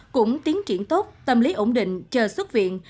cũng tiến triển tốt tâm lý ổn định chờ xuất viện